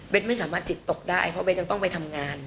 ไม่สามารถจิตตกได้เพราะเบสยังต้องไปทำงาน